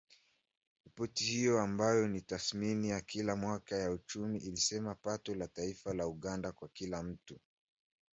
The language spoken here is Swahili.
Ripoti hiyo, ambayo ni tathmini ya kila mwaka ya uchumi, ilisema pato la taifa la Uganda kwa kila mtu.